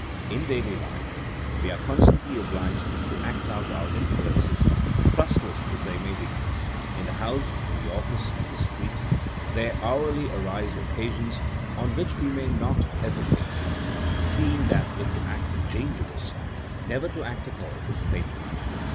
. In daily life we are constantly obliged to act out our inferences, trustless as they may be —.•. in the house, in the oflSce, in the street, there hourly arise occasions on which we may not THINEINa AS A SCIENCE 121 hesitate ; seeing that if to act is dangerous, never to act at all is fatal.